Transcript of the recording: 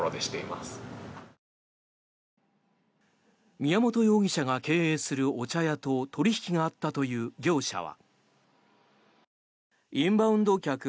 宮本容疑者が経営するお茶屋と取引があったという業者は。